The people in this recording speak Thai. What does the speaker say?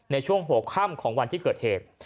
ในช่วงหัวค่ำของวันที่เกิดเหตุ